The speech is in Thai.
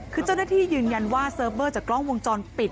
คือเจ้าหน้าที่ยืนยันว่าเซิร์ฟเวอร์จากกล้องวงจรปิด